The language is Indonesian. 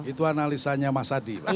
itu analisanya mas adi